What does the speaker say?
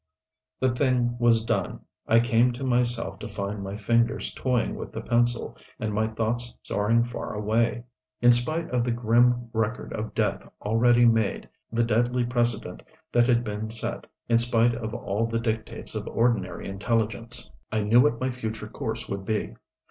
The thing was done. I came to myself to find my fingers toying with the pencil, and my thoughts soaring far away. In spite of the grim record of death already made, the deadly precedent that had been set, in spite of all the dictates of ordinary intelligence, I knew what my future course would be.